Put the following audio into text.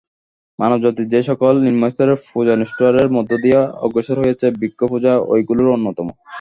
মানবজাতি যে-সকল নিম্নস্তরের পূজানুষ্ঠানের মধ্য দিয়া অগ্রসর হইয়াছে, বৃক্ষ-পূজা ঐগুলির অন্যতম।